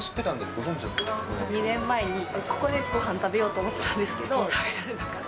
ご２年前にここでごはん食べようと思ってたんですけど、食べられなくて。